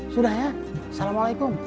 sudah ya assalamualaikum